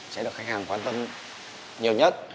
sẽ được khách hàng quan tâm nhiều nhất